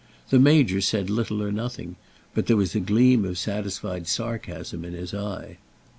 The Major said little or nothing; but there was a gleam of satisfied sarcasm in his eye.